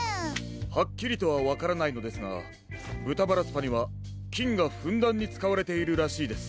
ハッキリとはわからないのですがぶたバラスパにはきんがふんだんにつかわれているらしいです。